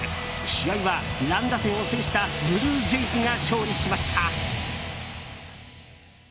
試合は乱打戦を制したブルージェイズが勝利しました。